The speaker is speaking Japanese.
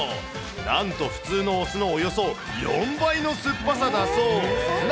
なんと普通のお酢のおよそ４倍の酸っぱさだそう。